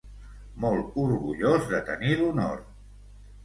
Molt orgullós de tenir l'honor!